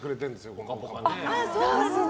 「ぽかぽか」は。